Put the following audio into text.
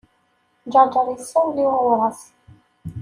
Ǧeṛǧeṛ yessawel i Wawras.